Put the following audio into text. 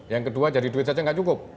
yang kedua jadi duit saja nggak cukup